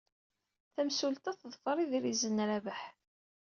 Tamsulta teḍfer idrizen n Rabaḥ.